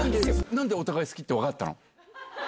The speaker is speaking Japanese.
なんで、お互い好きって分かったの？